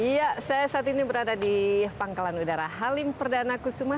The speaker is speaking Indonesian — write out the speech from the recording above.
ya saya saat ini berada di pangkalan udara halim perdana kusuma